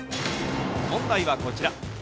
問題はこちら。